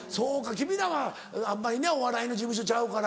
君らはあんまりねお笑いの事務所ちゃうから。